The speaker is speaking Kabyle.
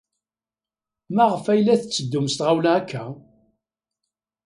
Maɣef ay la tetteddum s tɣawla akka?